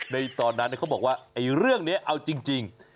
ในตอนนั้นเขาบอกว่าเรื่องนี้เอาจริง